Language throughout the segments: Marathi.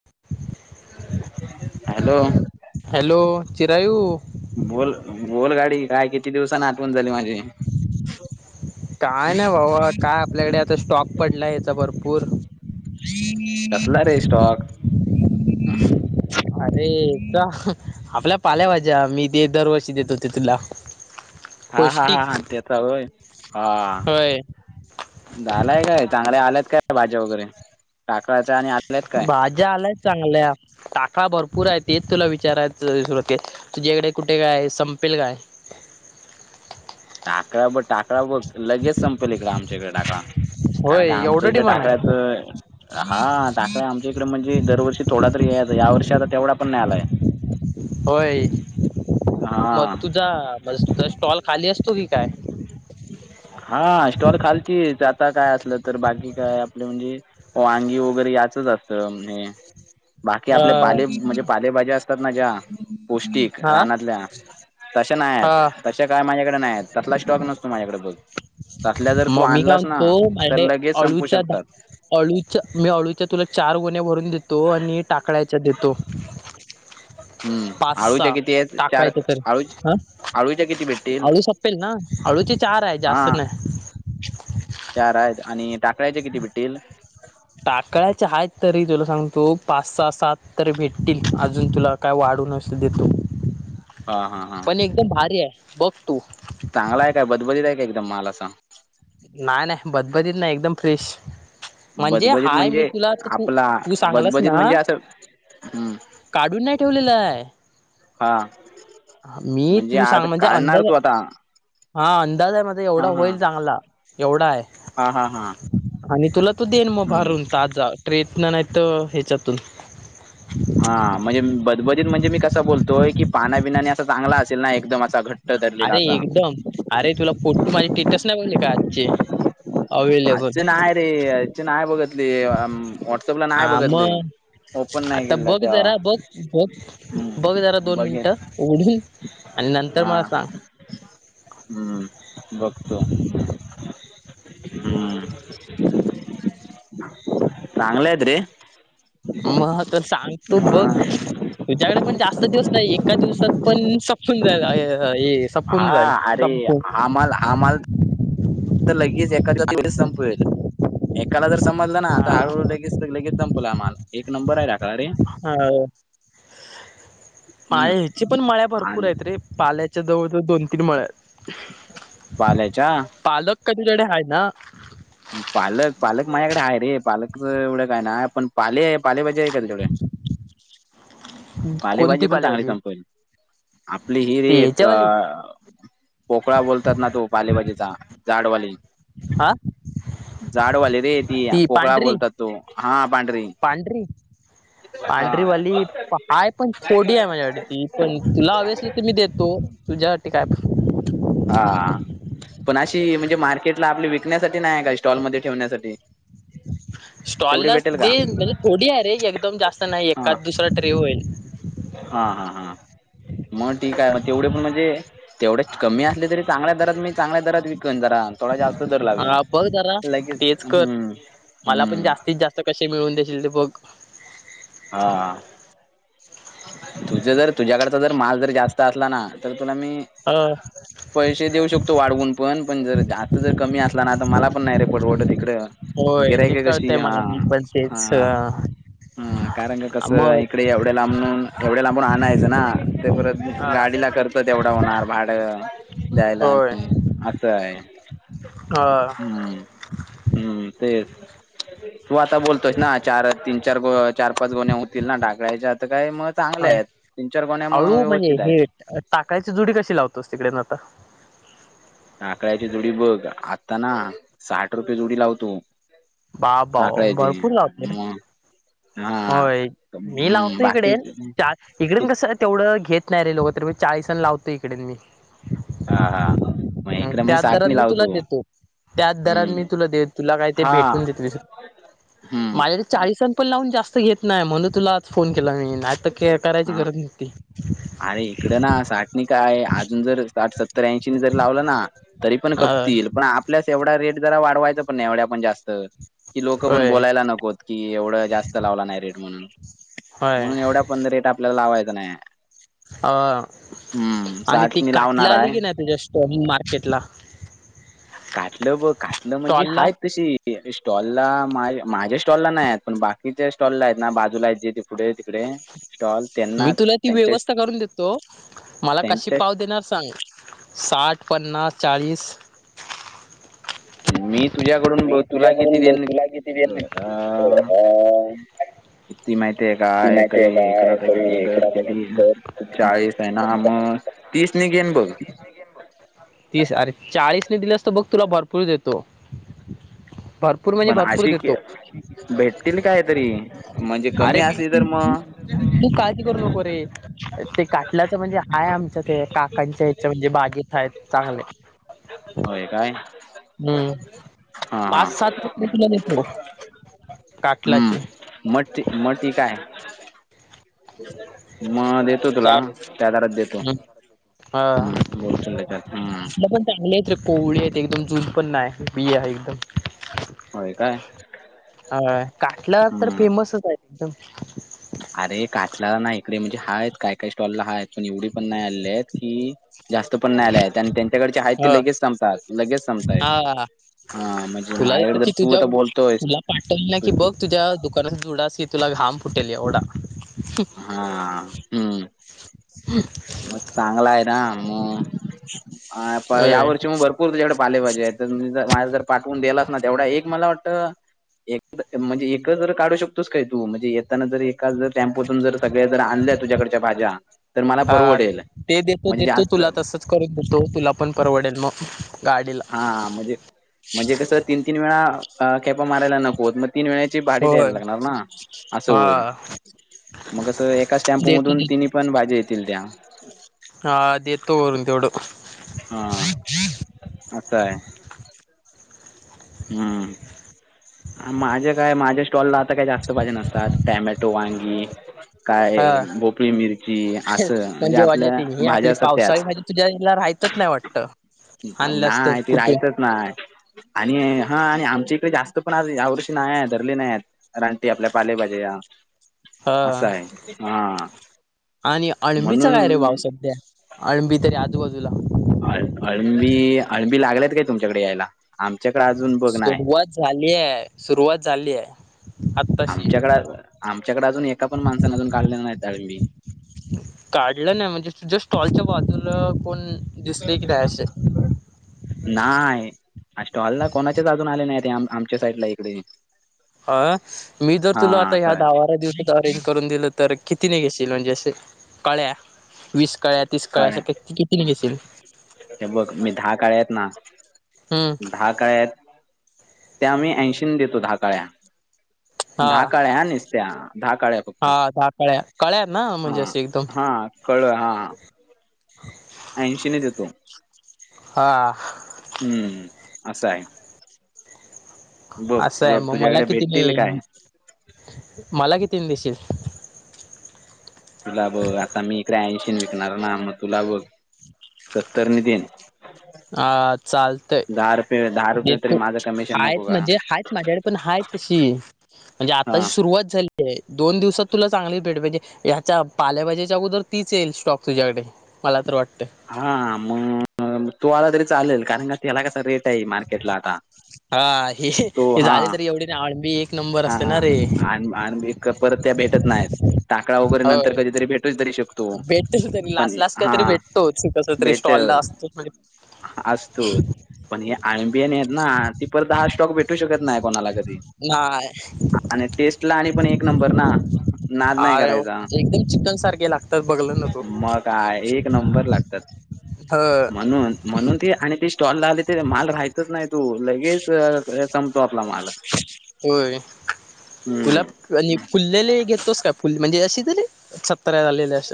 [inaudible] हॅलो. हॅलो चिरायू बोल बोल गाडी काय किती दिवसांना आतवून झाली माझी काय ना बाबा काय आपल्याकडेयात ते स्टॉक पडला ह्याचा भरपूर. [unintelligible] कसला रे स्टॉक? अरे त्या आपल्या पाल्या भाज्या मी ते दरवर्षी देत होते तुला. [inaudible] हा हा हा हा ते तर होय हा. होय दालाय काय चांगल्या आल्यात काय भाज्या वगैरे टाकळाच्या आणि आ भाज्या आलाय चांगल्या. टाकळा भरपूर आहे तेच तुला विचारायच [unintelligible] तुझ्या इकडे कुठे काय संपेल काय? टाकळ्या ब टाक टाक बघ लगेच संपेल इकडे आमच्याकडे टाकळा कारण होय का आमच्या एवढं इकडे डिमांड आहे टाकळ्याच हा टाकळ्या आमच्या इकडे म्हणजे दरवर्षी थोडा तरी यायचा या वर्षी आता तेवढा पण नाही आलाय. होय म हा तुझा मस तुझा स्टॉल खाली असतो की काय? हा स्टॉल खालचीच आता काय असलं तर बाकी काय आपलं म्हणजे वांगी वगैरे याचच असतं म्हणे. बाकी अ, आपल्या पाले म्हणजे पालेभाजी असतात ना ज्या पौष्टिक हा रानातल्या तशे नाय आहेत हा तशे काय माझ्याकडे नाय आहेत तसला स्टॉक नसतो माझ्याकडे बोल. तसल्या जर तू मग मी काय आणलास ना म्हणतो तर माझ्याकडे लगेच संपू अळूच्या शकतात. दहा अळूच्या मी अळूच्या तुला चार गोण्या भरून देतो आणि टाक कळायच्या देतो. हम्म पाच आळूच्या सहा किती आहेत चार टाकळ्यचे तर आळू हां. आळूच्या किती भेटतील अळू सपेल ना अळूचे चार आहे हा जास्त नाय. चार आहेत आणि टाकळ्याचे किती भिटतील? टाकळ्याचे आहेत तरी तुला सांग तो पाच सहा सात तरी भेटतील अजून तुला काय वाढून असं देतो. हा, हा, हा. पण एकदम भारी आहे बघ तू. चांगला आहे काय, बदबदित आहे का एकदम माल असा? नाही नाही, बदबदित नाही एकदम फ्रेश. म्हणजे बदबदीत हाय मी म्हणजे तुला आता तू आपला तू सांगलास बदबदीत ना म्हणजे असं हम्म. काढून नाही ठेवलेलं आहे. हा. मी म्हणजे तुज आज सांग म्हणजे काढणार अंदाज तू आता हा अंदाज आहे माझा एवढा हा हा होईल चांगला, एवढा आहे. हा, हा, हा. आणि तुला तो देन मग हम्म भारून ताजा ट्रेतन नाहीतर ह्याच्यातून हा म्हणजे बदबदित म्हणजे मी कसां बोलतोय, की पाना बिनाने असा चांगला असेल ना एकदम असा घट अरे एकदम. अरे तुला फोटू माझे स्टेटस नाही बघले का आजचे? अवेलेबल आजच नाही रे, आजची नाही बघतली. व्हॉट्सअपला हा नाही बघतली. मग आता बघ जरा बघ. बघ, बघ जरा हम्म दोन बघेल मिनिटं उघडून. आणि नंतर हा मला सांग. हम्म, बघतो. हम्म, चांगल्या आहेत रे. मग तर सांगतो बघ. तुझ्याकडे पण जास्त दिवस नाही एका दिवसात पण सपून जाईल‌ हे सपून जाईल, संपवू. आम्हाला [unintelligible] लगेच एखाद्या दिवशी संपवेल. एकाला जर समजलं ना, तर हळूहळू लगेच तर लगेच संपलं हा माल. एक नंबर आहे रा हाव. हम्म माळे ह्यांचे पण माळ्या भरपूर आणि आहेत रे पाले च्या जवळ जवळ दोन तीन मळे आहेत. पाल्याच्या पालक काय तुझ्याकडे हाय ना? पालक पालक माझ्याकडे आहे रे पालकच एवढं काय नाय, पण पाले आहे पाले भा हे आहे का तुझ्याकडे? पालेभाजी पण चांगली संपलं. आपली ही रे ती ट ह्याच्यावाली पोकळा बोलतात ना तो पालेभाजीचा जाडवाली. आ? जाडवाली रे ती पोकळा बोलतात तो हा पांढरी. पांढरी हा पांढरीवाली हाय पण थोडी आहे माझ्याकडे ती, पण तुला हवी असली तर मी देतो‌. तुझ्यासाठी कायपण. हा. पण अशी म्हणजे मार्केटला आपली विकण्यासाठी नाहीये काय स्टॉलमध्ये ठेवण्यासाठी? तेवढी स्टॉललाच भेटेल का देईन म्हणजे थोडी आहे रे एकदम जास्त नाही. हा एखाद दुसरा ट्रे होईल. हा, हा, हा. मग ठीक आहे मग तेवढे पण म्हणजे तेवढ्या कमी असले तरी चांगल्या दरात मी चांगल्या दरात विकन जरा. थोडा जास्त दर लावीन. हा बघ जरा लगेच तेच हम्म, हम्म. ते कसे मिळवून देशील ते बघ. हा. तुझं जर तुझ्याकडचा जर माल जर जास्त असला ना, तर तुला मी अ पैसे देऊ शकतो वाढवून पण, पण जर असं जर कमी असला ना तर मला पण नाही रे परवडत इकडं होय ते गिरायक हाय कळतंय कशी हा मला मी पण तेच हा. अ हम्म, कारण का कसं मग इकडे एवढ्या लांबून एवढ्या लांबून आणायचं ना ते परत हा गाडीला खर्चा तेवढं होणार भाडं द्यायला होय आणि असं आहे. हम्म [unintelligible] हम्म तेच तू आता बोलतोयस ना चार तीन चार गो चार पाच गोण्या होतील ना ढाकळयच्या आता काय मग हा चांगले आहेत तीन चार गोण्या म व्यवस्थित आहेत. ताकायची जुडी कशी लावतोस तिकडेन आता? टाकळ्याची जोडी बघ आता ना साठ रुपये जोडी लावतो. बा बाव ढाकळ्याची भरपूर लावते रे. मग हा होय मी हम्म लावतो इकडे बाकी चार इकडेन कसं तेवढं घेत नाही रे लोकं तर मी चाळीस अन लावतो इकडेन मी. हा हा मग इकडे मी त्याच साठ दरान मी तुला लावतो. देतो त्याच दरानं मी हम्म देत तुला काय ते हा भेट [unintelligible] हम्म माझ्याकडे चाळीसण पण लावून जास्त घेत नाही म्हणू तुला आज फोन केला मी. नाही तर केअर करायची हा गरज नव्हती. अरे इकडं ना साठ नि काय अजून जर साठ, सत्तर, ऐंशी जर लावलं ना तरी पण पण अ खपतील पण आपल्यास एवढा रेट जरा वाढवायचा पण नाही एवढ्या पण जास्त. की लोकं पण होय बोलायला नकोत की एवढं जास्त लावला नाही रेट म्हणून होय म्हणून एवढ्या पण रेट आपल्याला लावायचा नाय. आ आणि ती साठ मी काटला लावणार आली आहे की नाही तुझा स्टॉल मार्केटला? काटलं बघ काटलं म्हणजे स्टॉल ला हायेत तशी स्टॉलला माझे माझ्या स्टॉलला नाही आहेत पण बाकीच्या स्टॉलला आहेत ना बाजूला आहेत जे ते पुढे ते कडेे मी तुला ती व्यवस्था करून देतो मला कशी त्यांच्या पाव देणार सांग साठ, पन्नास, चाळीस मी तुझ्याकडून मी ब- तुला किती तुझ्याकडून बघ देन तुला किती दिलं. अ [unintelligible] किती माहिती आहे काय तरी इकडं आता तरी दर इकडं किती तरी दर किती चाळीस आहे ना म चाळीस आहे ना तीस निघेन बघ. तीस अरे चाळीस ने दिल्यास तर बघ तुला भरपूर देतो. पर भरपूर म्हणजे पण भरपूर अशी देतो भेटतील काय तरी म्हणजे कमी अरे असली तर भेटतील. मग तू काळजी करु नको रे. ते काटल्याचं म्हणजे आहे आमच्या ते काकांच्या याच्या म्हणजे बागीेत आहेत चांगले. होय काय हा हा. ते तुला देतो. काटलाचे हम्म म टी म टीक आहे. ठीक आहे. मग देतो तुला, त्या दरात देतो. हम्म. हा हम्म बोल [unintelligible] त्याच्यात हम्म पण चांगलेत रे कोवळी आहेत एकदम जुन पण नाही बी आहे एकदम. होय काय हा काटला तर हम्म फेमसच आहे एकदम. अरे काटला नाही इकडे म्हणजे हाय काय काय स्टॉलला हाय पण एवढे पण नाही आले आहेत की जास्त पण नाय आले आहेत आणि त्यांच्याकडचे आहेत ह ते लगेच संपात लगेच संपता आहे. हा तुला देतो की जर तू तुझ्या आता बोलतोयस तुला पाटवलं ना तर कि तू बघ तुझ्या दु करण जुडा असं की तुला घाम फुटेल ऐवढा. हा हम्म [unintelligible] मग चांगला आहे ना म अ प या होय वर्षी म भर पूर तुझ्याकडे पाले पाजी आहेत तर मी ज मला जर पाठवून देलास ना तेवढा एक मला वाटतं एक द म्हणजे एकं जर काढू शकतोस काय तू म्हणजे येत त्या नंतर जर एका जर टॅम्पोतून जर सगळे जर आणल्या तुझाकडच्या भाज्या तर मला हा परवडेल ते देतो, म्हणजे देतो जास्त तुला तसंच करून देतो, तुला पण परवडेल मग गाडीला. आ म्हणजे म्हणजे कसं तीन तीन वेळा अ खैपा मारायला नकोत म तीन वेळाची भाडी द्यायला होय लागणार ना असं हा होईल. मगं कस एकाच टॅम्पो देतो मधून तिन्ही देतो पण भाज्या येतील त्या. ह देतो वरून तेवड हा असय. हम्म माझे काय माझ्या स्टॉलला आता काही जास्त भाजी नसतातॅ टँमा त वांगी काय हा भोपळी मिरची असं म्हणजे आपल्या भाज्या असतात त्याच. त्यात नाही वाटत. आणल्यास तर नाय ती कुठून राहतच नाय. आणि हा आणि आमच्या इकडे जास्त पण आज या वर्षी नाही आहेत धरले नाही आहेत. रानटी आपल्या पालेभाज्या या हा हा आणि अळबीचा काय रे भाव म्हणून सध्या? आळंबी तरी आजूबाजूला अ अळबी अळबी लागल्यात काय तुमच्याकडे यायला आमच्याकडें अजून बघ नाय सुरुवात झाली आहे सुरुवात झाली आहे आत्ताशी. आमच्याकडे आमच्याकडे अजून एका पण माणसाने अजून काढले नाही डाळिंबी काढलं नाही म्हणजे तुझ्या स्टॉलच्या बाजूला कोण दिसले की नाही असे [unintelligible] नाही स्टॉलला कोणाचेच अजून आले नाही आमच्या साईड ला इकडे ह मी जर हा तुला आता असं ह्या आहे. दहावारा दिली अरेंज करून दिलं तर कितीने घेशील म्हणजे असं कळ्या वीस कळ्या तीस कळ्या काळ्या श कित कितनी घेशील? हे बघ मी दहा कळ्या आहेत ना हम्म दहा कळ्या त्या मी ऐंशीने देतो दहा काळ्या दहा हा काळ्या निसत्या दहा काळ्या फक्त हा दहा कळ्या कळ्या ना म्हणजे हा अशी एकदम हा कळ हा ऐंशी नि देतो. हा हम्म असं आहे. बघ असं आहे बघ मग मला तुझ्याकडे किती भेटतील काय? नाही मला कितीन दिशील? तुला बघ आता मी इकडे ऐंशीने विकणार ना मग तुला बघ सत्तर नि देन. हा चालतंय. रुपये दहा रुपये तरी देतो माझं कमिशन हायच नको का? म्हणजे हायच माझ्याकडे पण हाय तशी म्हणजे हा आताची सुरुवात झाली. दोन दिवसात तुला चांगलीच रेट पाहिजे ह्याच्या पाल्याभाजीच्या अगोदर तीच येईल स्टॉक तुझ्याकडे. मला तर वाटतय. हा मग तो आला तरी चालेल कारण का त्याला कसा रेट आहे मार्केटला आता. हा तो हे हा झाले तरी एवढे ना आळबी एक नंबर हा असते ना रे. आणि आणि मी क परत त्या भेटत नाहीत. टाकऔ वगैरे नंतर होय कधीतरी भेटूच तरी शकतो पण हा तोच कस तरी स्टॉल ला भेटल असतो म्हजे असतो पण हे आमबीएन आहेत ना ती परत दहा स्टॉक भेटू शकत नाही कोणालागत नाय आणि टेस्ट ला आणि पण एक नंबर ना नाद नाही अरे करायचा. एकदम चिकन सारखे लागतात बघलं ना तू मग काय एक नंबर लाग त्यात ह म्हणून म्हणून ती आणि ती स्टॉल ला आली ते माल राहायतच नाही तू लगेच संपतो आपला मालच हम्म. फुल्लेले घेतोस का फु म्हणजे अशी तरी सतरा्या झालेले अस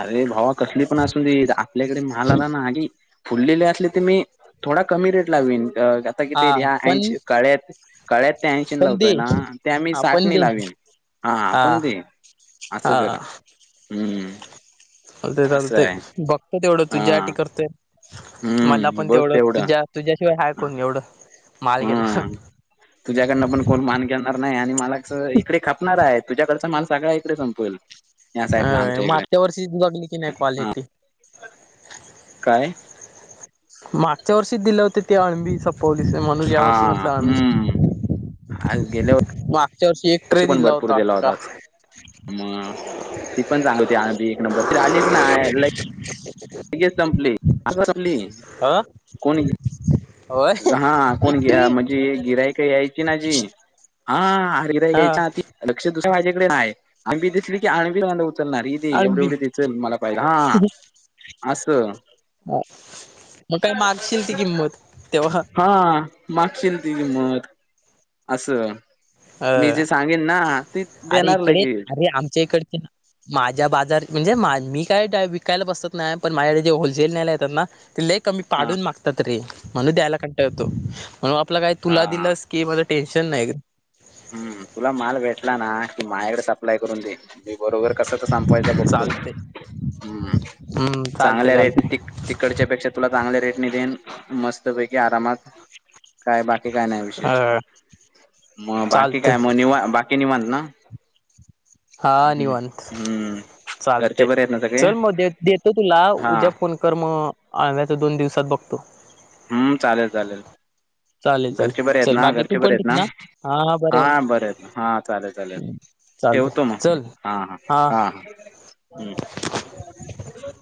अरे भावा कसली पण असून दे आपल्याकडे माल आला ना कि फुललेले असले ते मी थोडा कमी रेट लावीन अ आता कि हा ते ह्या पण ऐंशी कळ्यात कळ्यात टॅन्शन पण दे लावतोय ना ते आम्ही हा पण साठणी दे लावीन हा पण देईन हा. चालते असं चालते आहे बघत तेवढं तुझ्यासाठी हा. करते मला हम्म पण बघ तेवढं तुझ्या तुझ्याशिवाय हायकण एवढं मालगे ना हम्म. तुझ्याकडनं पण कोण मान घेणार नाही आणि मला इकडे खापणार आहे तुझ्याकडचा माल सगळ्या इकडे संपवेल या अ साईडला आमच्या इकडे मगच्या वर्षी जगली की नाही क्वालिटी काय मागच्या वर्षीच दिले होत ते अणबी पोलीस म्हणून या हा वर्षी म्हटलं आ् मग हम्म मागच्या वर्षी एक कशी पण भरपूर दिला होता आज मग ती पण चांग होती आबी एक नंबर त आलीच ना लई संपली आ संपली ह कोणी होय हा कोण एक ट्रे म्हणजे गिराय का याय कि नाही जी हा हर हा घ्यायच्या आधी लक्ष दुसं माझ्याकडे नाही आहे आम्ही दिसली की आणबी चल ना रदी एवढी, अळंबी एवढी दिचेल मला पाहिलं हा असं हा मग काय मागशील ती किंमत तेव्हा हा मागशील ती किंमत असं मी अ जे सांगेन ना ते अरे देणार इकडे लगे अरे आमच्या इकडची माझ्या बाजार म्हणजे मा मी काय विकायला बसतात नाही पण माझ्याकडे जे होलसेल न्याय येतात ना ते लय कमी हा पाडून मागतात रे म्हणून द्यायला कंटा यतो म्हणून आपला काय तुला हा दिलंस की माझं टेन्शन नाही हम्म तुला माल भेटला ना की मायाकडे सप्लाय करून देइन मी बरोबर कस तर संपवायचा बघतो चालतंय हम्म हम्म चालतंय चांगल्या चालतंय रेटिक तिकडच्या पेक्षा तुला चांगल्या रेटने देन मस्त पैकी आरामात काय बाकी काय नाही विशेष ह मग बाकी काय मग निवा बाकी निवत ना हम्म, हम्म घरचे चालतय बरे आहेत ना सगळे चल मग देत देतो तुला हा उद्या फोन कर्म आळव्याचा दोन दिवसात बघतो हम्म चालेल, चालेल चालेल चालेल घरचे बरे आहेत चल ना, बाकी तू घरचे बरे पण आहेत ठीक ना हा हा बरे आहेत हा चालेल, चालेल ठेवतो चालतंय मग चल हा, हा, हा, हा हम्म.